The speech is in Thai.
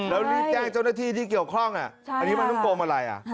แล้วรีบแจ้งเจ้าหน้าที่ที่เกี่ยวข้องอันนี้มันต้องโกงอะไร